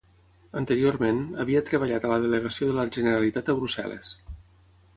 Anteriorment, havia treballat a la Delegació de la Generalitat a Brussel·les.